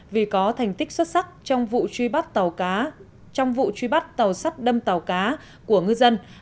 vì có thành tích xuất sắc trong vụ truy bắt tàu sắt đâm tàu cá